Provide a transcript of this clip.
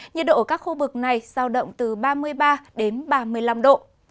nhiệt độ ở các khu vực này giao động từ ba mươi ba đến ba mươi năm độ